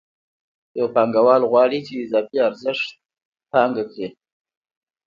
یو پانګوال غواړي چې اضافي ارزښت پانګه کړي